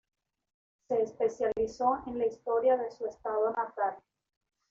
Se especializó en la historia de su estado natal.